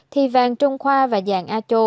thì vàng trông khoa và dàn a chô